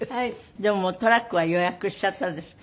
でももうトラックは予約しちゃったんですって？